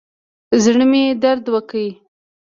زړه مې درد وکړ.